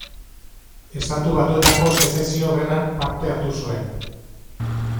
Estatu Batuetako Sezesio Gerran parte hartu zuen.